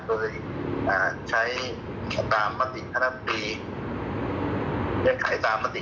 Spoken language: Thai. ไปใช้ตามมติขนาดปี๗๐๕๙